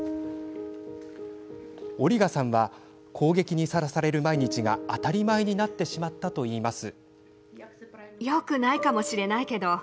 オリガさんは攻撃にさらされる毎日が当たり前になってしまったといいます。